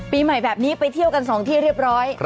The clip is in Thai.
ปีใหม่แบบนี้ไปเที่ยวกัน๒ที่เรียบร้อย